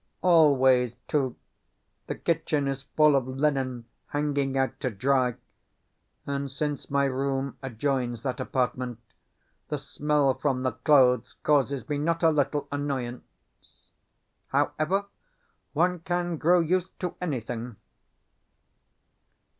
Always, too, the kitchen is full of linen hanging out to dry; and since my room adjoins that apartment, the smell from the clothes causes me not a little annoyance. However, one can grow used to anything.